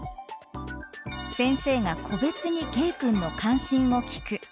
先生が個別にＫ君の関心を聞く。